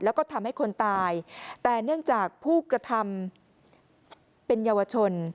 แล้วก็ทำให้คนตายแต่เนื่องจากผู้กระทำเป็นเยาวชน